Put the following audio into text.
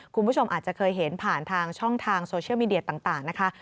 คุณผู้ชมอาจจะเคยเห็นผ่านทางช่องทางโซเชียลมีเดียต่างนะคะ